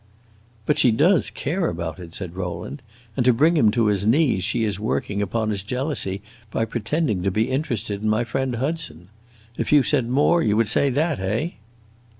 "But she does care about it," said Rowland, "and to bring him to his knees she is working upon his jealousy by pretending to be interested in my friend Hudson. If you said more, you would say that, eh?"